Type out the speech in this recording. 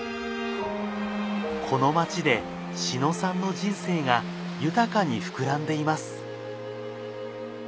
この町で志野さんの人生が豊かに膨らんでいます。